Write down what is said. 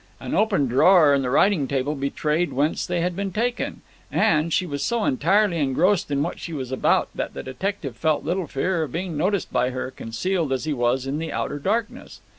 An open drawer in the writing table betrayed whence they had been taken; and she was so entirely engrossed in what she was about that the detective felt little fear of being noticed by her, concealed as he was in the outer darkness.